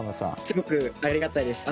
すごくありがたいです。